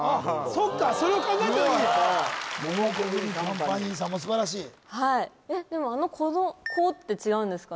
そっかそれを考えた時にモモコグミカンパニーさんも素晴らしいはいえっでもあの「仔」って違うんですか？